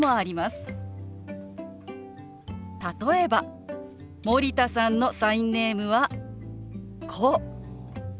例えば森田さんのサインネームはこう。